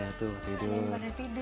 ya tuh tidur